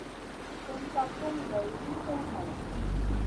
Sum sa tun greyna wi slèh ŋolo.